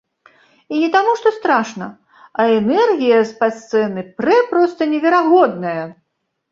І не таму, што страшна, а энергія з-пад сцэны прэ проста неверагодная!